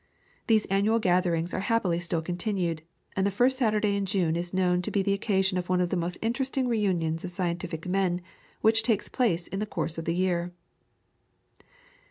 These annual gatherings are happily still continued, and the first Saturday in June is known to be the occasion of one of the most interesting reunions of scientific men which takes place in the course of the year.